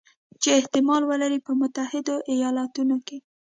چې احتمال لري په متحدو ایالتونو کې